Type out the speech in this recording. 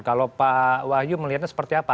kalau pak wahyu melihatnya seperti apa